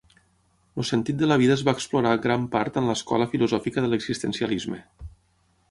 El sentit de la vida es va explorar gran part en l'escola filosòfica de l'existencialisme.